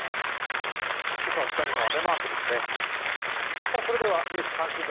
今朝は北日本、雨マークですね。